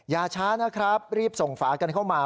อย่าช้านะครับรีบส่งฝากันเข้ามา